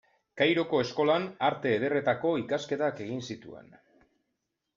Kairoko eskolan Arte Ederretako ikasketak egin zituen.